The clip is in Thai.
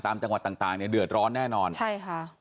จังหวัดต่างต่างเนี่ยเดือดร้อนแน่นอนใช่ค่ะ